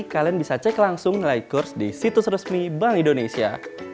kalian bisa cek langsung nilai kurs di situs resmi bank indonesia